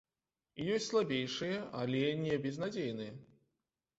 І ёсць слабейшыя, але не безнадзейныя.